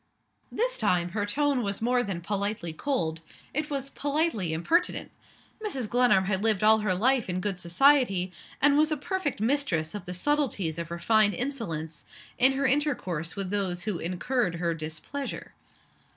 This time, her tone was more than politely cold it was politely impertinent. Mrs. Glenarm had lived all her life in good society, and was a perfect mistress of the subtleties of refined insolence in her intercourse with those who incurred her displeasure.